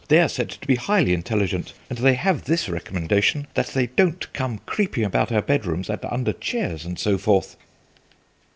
They're said to be highly intelligent, and they have this recommendation, that they don't come creeping about our bedrooms and under chairs, and so forth."